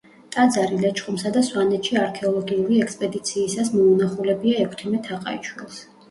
ტაძარი ლეჩხუმსა და სვანეთში არქეოლოგიური ექსპედიციისას მოუნახულებია ექვთიმე თაყაიშვილს.